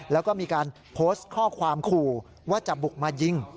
แล้วก็มีการโพสต์ข้อความขู่ว่าจะบุกมายิง